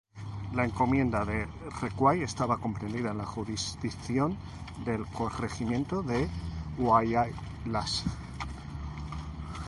La encomienda de Recuay estaba comprendida en la jurisdicción del corregimiento de Huaylas.